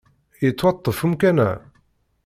Yettwaṭṭef umkan-a?